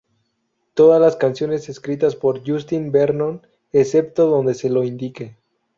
Todas las canciones escritas por Justin Vernon, excepto donde se lo indique.